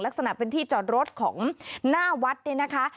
ลักษณะเป็นที่จอดรถของหน้าวัดเนี่ยนะคะ